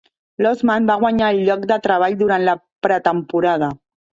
Losman va guanyar el lloc de treball durant la pretemporada.